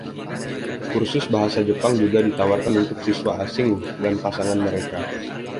Kursus bahasa Jepang juga ditawarkan untuk siswa asing dan pasangan mereka.